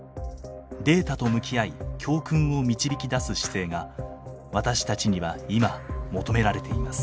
データと向き合い教訓を導き出す姿勢が私たちには今求められています。